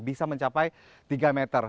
bisa mencapai tiga meter